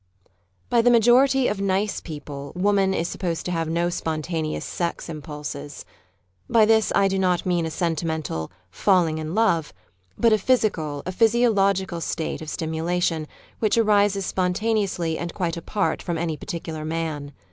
By the majority of " nice " people woman is supposed to have no spontaneous sex im pulses. By this I do not mean a sentimental " fallmg in love," but a physical, a physiological state of stimulation which arises spontaneously and quite apart from any particular man.